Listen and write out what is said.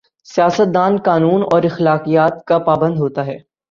سیاست دان قانون اور اخلاقیات کا پابند ہو تا ہے۔